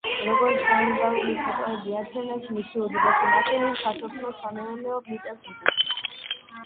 როგორც თანამგზავრული ფოტოები აჩვენებს, მისი უდიდესი ნაწილი სასოფლო-სამეურნეო მიწებს უჭირავს.